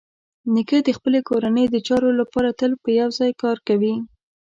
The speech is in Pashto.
نیکه د خپلې کورنۍ د چارو لپاره تل په یوه ځای کار کوي.